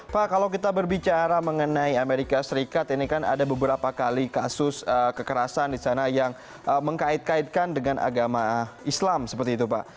pak kalau kita berbicara mengenai amerika serikat ini kan ada beberapa kali kasus kekerasan di sana yang mengkait kaitkan dengan agama islam seperti itu pak